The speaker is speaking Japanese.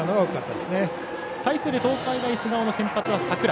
対する東海大菅生の先発は櫻井。